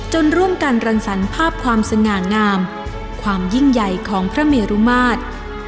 ร่วมกันรังสรรค์ภาพความสง่างามความยิ่งใหญ่ของพระเมรุมาตร